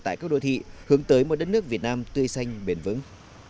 tại các đô thị hướng tới một đất nước việt nam tươi xanh bền vững